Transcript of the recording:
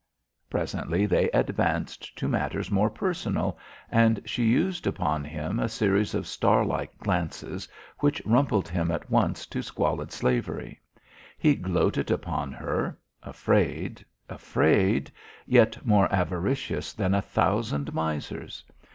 Presently they advanced to matters more personal, and she used upon him a series of star like glances which rumpled him at once to squalid slavery. He gloated upon her, afraid, afraid, yet more avaricious than a thousand misers.